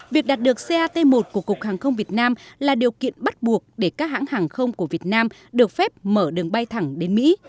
việc đạt được cat một của cục hàng không việt nam là điều kiện bắt buộc để các hãng hàng không của việt nam được phép mở đường bay thẳng đến mỹ